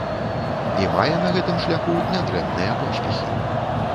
І мае на гэтым шляху нядрэнныя поспехі.